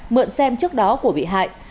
mượn xem trước đó của bị hại